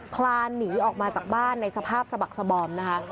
คลานหนีออกมาจากบ้านในสภาพสะบักสบอมนะคะ